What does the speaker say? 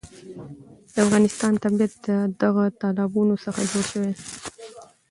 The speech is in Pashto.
د افغانستان طبیعت له دغو تالابونو څخه جوړ شوی دی.